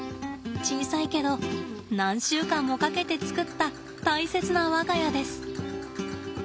小さいけど何週間もかけて作った大切な我が家です。